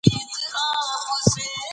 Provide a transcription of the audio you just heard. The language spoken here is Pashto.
سوداګري له مالي پلان پرته نشي کېدای.